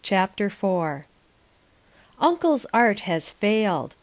CHAPTER IV Uncle's art has failed.